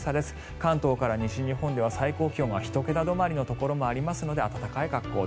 関東から西日本では最高気温は１桁止まりのところもありますので暖かい格好で。